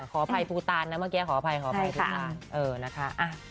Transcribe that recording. ขออภัยภูตานนะเมื่อกี้ขออภัยขออภัยภูตานนะคะ